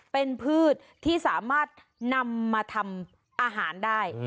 เป็นพืชที่สามารถนำมาทำอาหารได้